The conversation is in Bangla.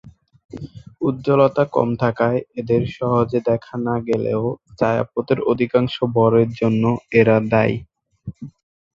উজ্জ্বলতা কম থাকায় এদের সহজে দেখা না গেলেও ছায়াপথের অধিকাংশ ভরের জন্যই এরা দায়ী।